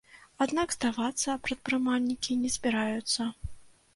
Аднак здавацца прадпрымальнікі не збіраюцца.